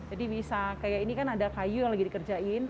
jadi bisa kayak ini kan ada kayu yang lagi dikerjain